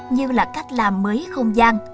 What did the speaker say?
như là cách làm mới không gian